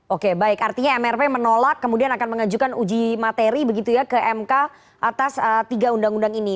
oke baik artinya mrp menolak kemudian akan mengajukan uji materi begitu ya ke mk atas tiga undang undang ini